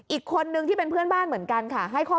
อีกคนนึงที่เป็นเพื่อนบ้านเหมือนกันค่ะ